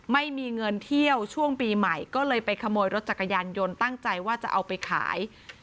ไม่มีเงินเที่ยวช่วงปีใหม่ก็เลยไปขโมยรถจักรยานยนต์ตั้งใจว่าจะเอาไปขาย